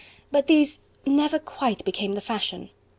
But these never quite became the fashion.